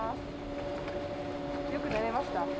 よく寝れました？